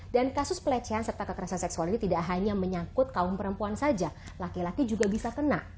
dan kasus pelecehan serta kekerasan seksual ini tidak hanya menyangkut kaum perempuan saja laki laki juga bisa kena